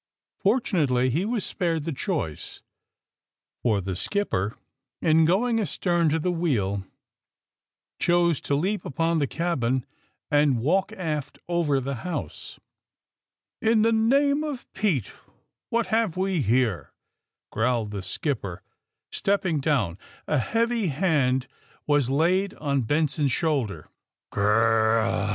Fortunately, he was spared the choice, for the skipper, in going astern to the wheel, chose to leap upon the cabin and walk aft over the house. In the name of Pete, what have we herel" 64 THE SUBMAEINE BOYS growled the skipper, stepping down. A heavy hand was laid on Benson's shoulder.